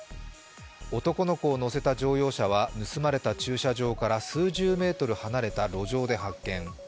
男の子を乗せた乗用車は盗まれた駐車場から数十メートル離れた路上で発見。